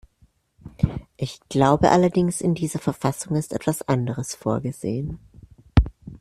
Ich glaube allerdings, in dieser Verfassung ist etwas anderes vorgesehen.